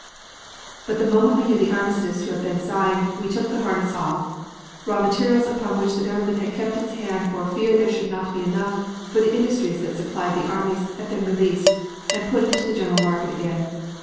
"But the moment we knew the armistice to have been signed we took the harness off. Raw materials upon which the government had kept its hand for fear there should not be enough for the industries that supplied the armies have been released, and put into the general market again.